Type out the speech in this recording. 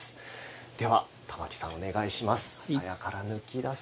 では、玉置さんお願いします。